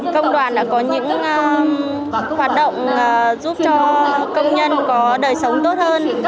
công đoàn đã có những hoạt động giúp cho công nhân có đời sống tốt hơn